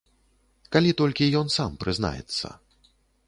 Калі толькі ён сам прызнаецца.